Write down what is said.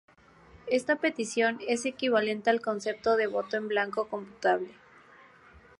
Esta petición es equivalente al concepto de voto en blanco computable.